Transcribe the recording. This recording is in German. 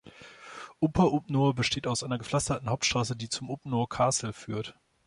Upper Upnor besteht aus einer gepflasterten Hauptstraße, die zum Upnor Castle führt.